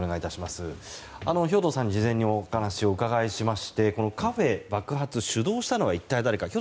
兵頭さんに事前にお話をお伺いしましてカフェ爆発を主導したのは一体誰か。